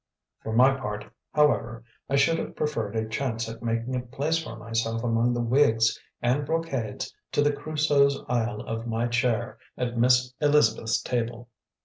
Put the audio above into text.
For my part, however, I should have preferred a chance at making a place for myself among the wigs and brocades to the Crusoe's Isle of my chair at Miss Elizabeth's table.